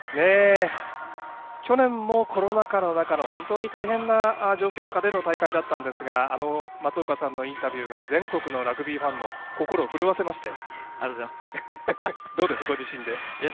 去年も、コロナ禍の中の本当に大変な状況下での大会だったんですが松岡さんのインタビューが全国のラグビーファンの心を震わせましたよ。